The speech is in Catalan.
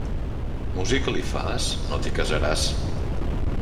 Música li fas? No t'hi casaràs.